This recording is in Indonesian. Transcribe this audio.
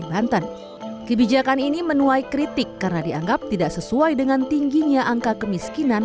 banten kebijakan ini menuai kritik karena dianggap tidak sesuai dengan tingginya angka kemiskinan